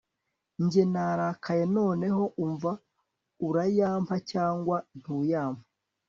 Njye narakaye noneho umva urayampa cyangwa ntayumpa